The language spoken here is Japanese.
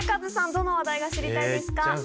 どの話題が知りたいですか？